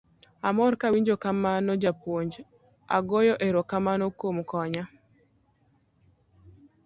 Amor kawinjo kamano japuonj, agoyo ero kamano kuom konya.